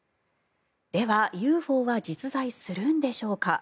では、ＵＦＯは実在するんでしょうか。